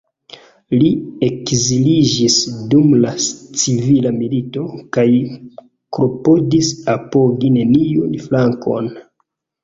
Li ekziliĝis dum la civila milito, kaj klopodis apogi neniun flankon.